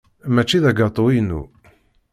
Mačči d agatu-inu.